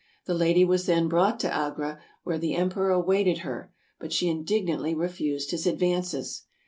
The lady was then brought to Agra, where the Emperor awaited her, but she indignantly refused his advances.